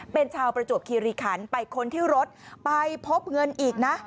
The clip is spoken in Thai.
เป็นชาวประจวบคิริขันไปค้นที่รถไปพบเงินอีกนะ